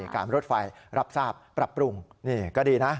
การรถไฟรับทราบปรับปรุงนี่ก็ดีนะ